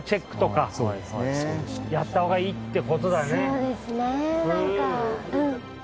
そうですねなんか。